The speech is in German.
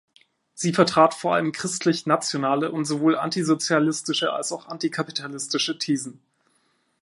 Sie vertrat vor allem christlich-nationale und sowohl antisozialistische als auch antikapitalistische Thesen.